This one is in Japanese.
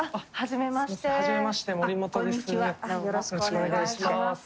よろしくお願いします。